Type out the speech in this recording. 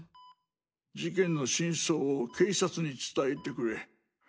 事件の真相を警察に伝えてくれ。